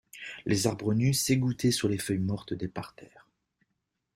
Les arbres nus s'égouttaient sur les feuilles mortes des parterres.